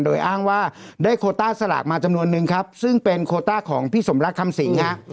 โดยอ้างว่าได้โคต้าสลากมาจำนวนนึงครับซึ่งเป็นโคต้าของพี่สมรักคำสิงฮะ